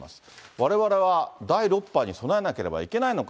われわれは第６波に備えなければいけないのか。